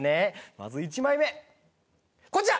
まず、１枚目、こちら。